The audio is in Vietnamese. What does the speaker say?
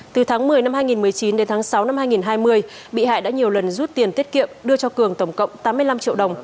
từ tháng một mươi năm hai nghìn một mươi chín đến tháng sáu năm hai nghìn hai mươi bị hại đã nhiều lần rút tiền tiết kiệm đưa cho cường tổng cộng tám mươi năm triệu đồng